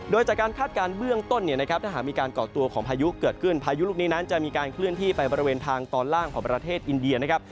โดยจากการคาดการณ์เบื้องต้นเนี่ยนะครับถ้าหากมีการก่อตัวของพายุเกิดขึ้นพายุลูกนี้นั้นจะมีการเคลื่อนที่ไปบริเวณทางตอนล่างของประเทศอินเดียนะครับ